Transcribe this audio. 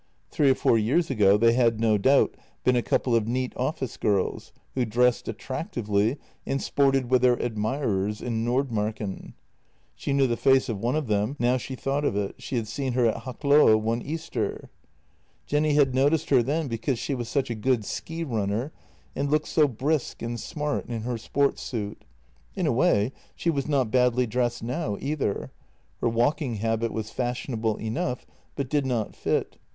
Three or four years ago they had no doubt been a couple of neat office girls, who dressed attractively and sported with their admirers in Nordmarken. She knew the face of one of them, now she thought of it; she had seen her at Hakloa one Easter. Jenny had noticed her then because she was such a good ski runner and looked so brisk and smart in her sport suit. In a way she was not badly dressed now either; her JENNY 207 walking habit was fashionable enough, but did not fit.